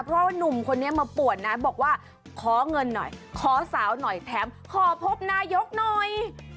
เพราะว่านุ่มคนนี้มาป่วนนะบอกว่าขอเงินหน่อยขอสาวหน่อยแถมขอพบนายกหน่อย